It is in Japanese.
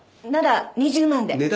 なら２０万で。